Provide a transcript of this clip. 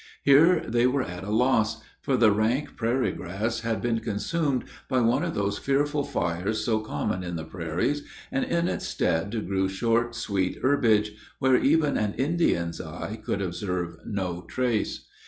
Here they were at a loss; for the rank prairie grass had been consumed by one of those fearful fires so common in the prairies, and in its stead grew short, sweet herbage, where even an Indian's eye could observe no trace.